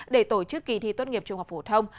để tổ chức kỳ thi tốt nghiệp trung học phổ thông